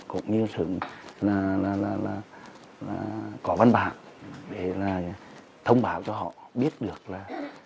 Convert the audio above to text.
cũng như sớm là có văn bản để là thông báo cho họ biết được là